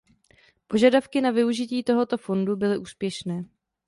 Požadavky na využití tohoto fondu byly úspěšné.